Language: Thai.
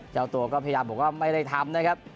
เจ้าตัวก็พยายามบอกว่าไม่ได้ทำนะครับ